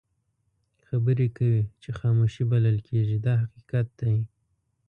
خبرې کوي چې خاموشي بلل کېږي دا حقیقت دی.